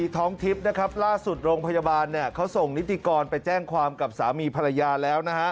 ทอคทิฟต์ร่าสุดโรงพยาบาลเขาส่งนิติกรไปแจ้งความกับสามีภรรยาแล้ว